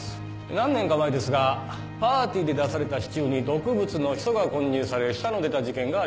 何年か前ですがパーティーで出されたシチューに毒物のヒ素が混入され死者の出た事件がありました。